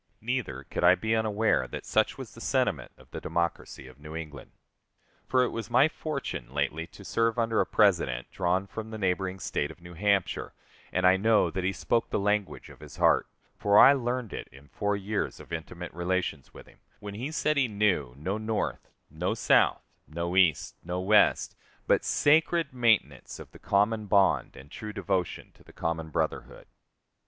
Neither could I be unaware that such was the sentiment of the Democracy of New England. For it was my fortune lately to serve under a President drawn from the neighboring State of New Hampshire, and I know that he spoke the language of his heart, for I learned it in four years of intimate relations with him, when he said he knew "no North, no South, no East, no West, but sacred maintenance of the common bond and true devotion to the common brotherhood."